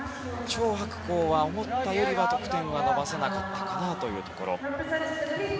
チョウ・ハクコウは思ったよりは得点は伸ばせなかったかなというところ。